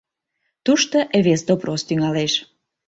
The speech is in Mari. Тушто вес «допрос» тӱҥалеш.